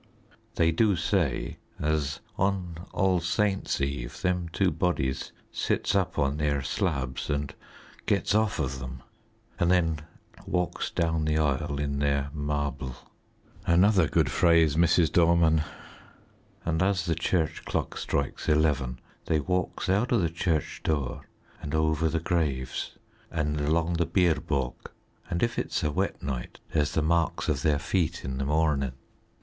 "They do say, as on All Saints' Eve them two bodies sits up on their slabs, and gets off of them, and then walks down the aisle, in their marble" (another good phrase, Mrs. Dorman) "and as the church clock strikes eleven they walks out of the church door, and over the graves, and along the bier balk, and if it's a wet night there's the marks of their feet in the morning."